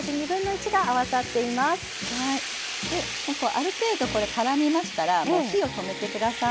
ある程度これからみましたらもう火を止めてください。